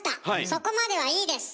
そこまではいいです！